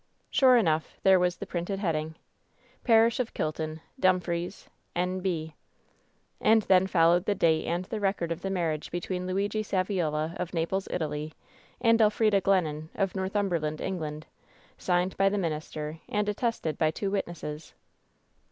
Sure enough, there was the printed heading: Parish of Kilton, Dumfries, N". B. And then followed the date and the record of the mar riage between Luigi Saviola, of Naples, Italy, and El frida Glennon, of Northumberland, England, signed by the minister and attested by two witnesses.